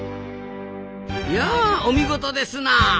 いやお見事ですなあ！